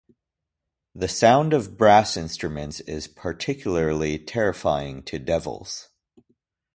The sound of brass instruments is particularly terrifying to devils.